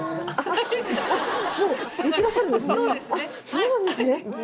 そうなんですね。